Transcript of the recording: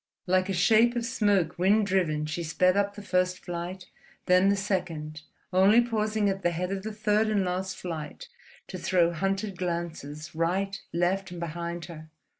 Like a shape of smoke wind driven, she sped up the first flight, then the second, only pausing at the head of the third and last flight to throw hunted glances right, left, and behind her.